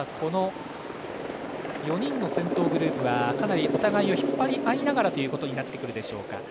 ４人の先頭グループはお互いを引っ張り合いながらとなってくるでしょうか。